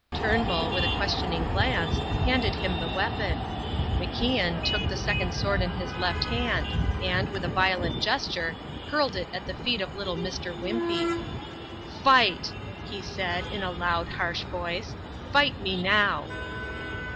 Turnbull, with a questioning glance, handed him the weapon. MacIan took the second sword in his left hand and, with a violent gesture, hurled it at the feet of little Mr. Wimpey. "Fight!" he said in a loud, harsh voice. "Fight me now!"